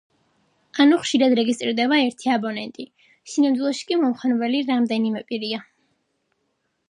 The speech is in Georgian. ანუ ხშირად რეგისტრირდება ერთი აბონენტი, სინამდვილეში კი მომხმარებელი რამდენიმე პირია.